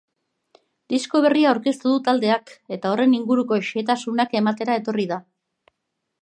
Disko berria aurkeztu du taldeak eta horren inguruko xehetasunak ematera etorri da.